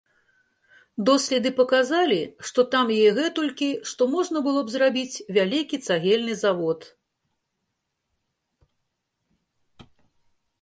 Доследы паказалі, што там яе гэтулькі, што можна было б зрабіць вялікі цагельны завод.